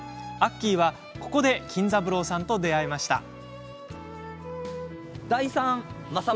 アッキーは、ここで金三郎さんと出会いました。